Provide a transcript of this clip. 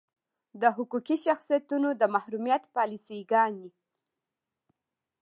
د حقوقي شخصیتونو د محرومیت پالیسي ګانې.